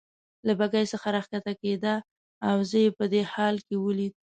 له بګۍ څخه راکښته کېده او زه یې په دې حال کې ولید.